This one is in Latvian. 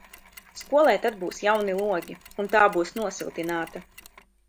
Skolai tad būs jauni logi, un tā būs nosiltināta.